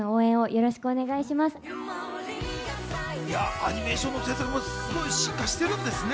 アニメーションの制作もすごい進化してるんですね。